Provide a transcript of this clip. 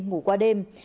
ngủ qua đêm